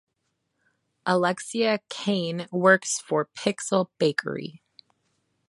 Alexia Kane works for Pixel Bakery